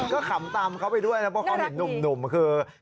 ก็ขำตามเขาไปด้วยเมื่อช่างเนิ่ม